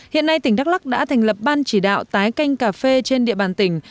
hiện nay tỉnh đắk lắc đã thành lập ban chỉ đạo tái canh cà phê trên địa bàn tỉnh